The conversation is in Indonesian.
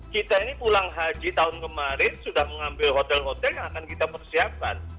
kita ini pulang haji tahun kemarin sudah mengambil hotel hotel yang akan kita persiapkan